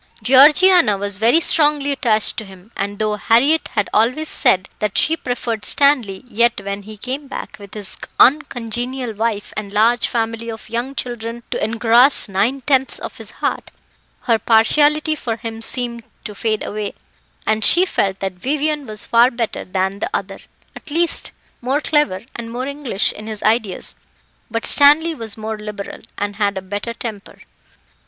Georgiana was very strongly attached to him; and though Harriett had always said that she preferred Stanley, yet, when he came back, with his uncongenial wife and large family of young children to engross nine tenths of his heart, her partiality for him seemed to fade away, and she felt that Vivian was far better than the other at least, more clever and more English in his ideas; but Stanley was more liberal, and had a better temper.